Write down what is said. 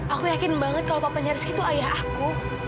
aku yakin banget kalau papanya rizky itu ayah aku